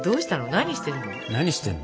何してるの？